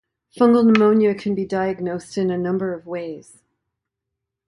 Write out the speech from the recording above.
Fungal pneumonia can be diagnosed in a number of ways.